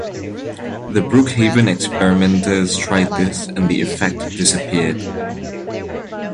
The Brookhaven experimenters tried this and the effect disappeared.